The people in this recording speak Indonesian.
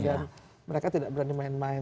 dan mereka tidak berani main main